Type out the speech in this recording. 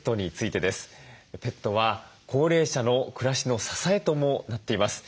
ペットは高齢者の暮らしの支えともなっています。